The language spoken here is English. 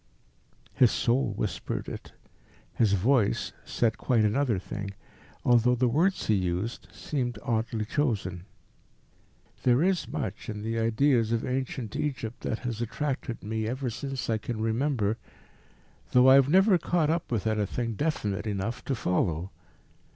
His soul whispered it; his voice said quite another thing, although the words he used seemed oddly chosen: "There is much in the ideas of ancient Egypt that has attracted me ever since I can remember, though I have never caught up with anything definite enough to follow.